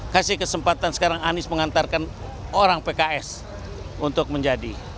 kasih kesempatan sekarang anies mengantarkan orang pks untuk menjadi